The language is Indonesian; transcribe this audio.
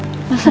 mau pake nasi